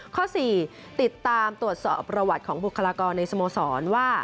ข้อ๔ติดตามตรวจสอบประวัติของบุคลากรในสโมสรว่า